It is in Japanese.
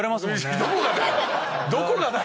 どこがだよ！